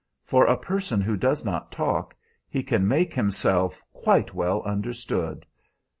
For a person who does not talk, he can make himself quite well understood.